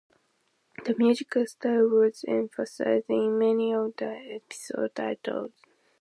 The musical style was emphasized in many of the episode titles.